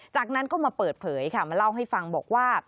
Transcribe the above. จากนั้นก็มาเปิดเผยค่ะมาเล่าให้ฟังบอกว่า